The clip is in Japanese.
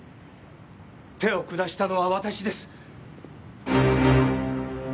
手を下したのは私です！